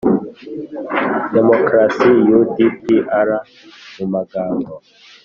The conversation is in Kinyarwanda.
Demokarasi u d p r mu magambo